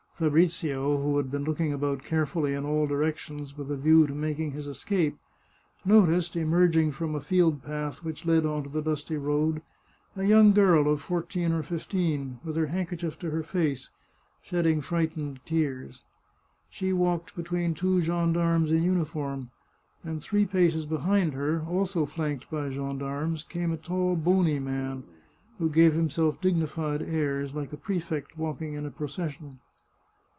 Fabrizio, who had been looking about carefully in all directions, with a view to mak ing his escape, noticed, emerging from a field path which led on to the dusty road, a young girl of fourteen or fifteen, with her handkerchief to her face, shedding frightened tears. She walked between two gendarmes in uniform, and three paces behind her, also flanked by gendarmes, came a tall, bony man, who gave himself dignified airs, like a prefect walking in a procession.